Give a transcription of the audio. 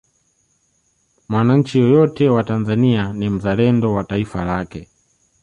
mwanachi yeyote wa tanzania ni mzalendo wa taifa lake